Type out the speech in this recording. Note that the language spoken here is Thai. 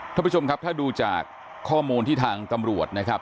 ท่านผู้ชมครับถ้าดูจากข้อมูลที่ทางตำรวจนะครับ